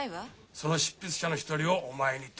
その執筆者の１人をお前にと。